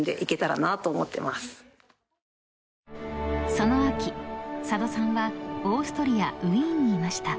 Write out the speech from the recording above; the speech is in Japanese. ［その秋佐渡さんはオーストリアウィーンにいました］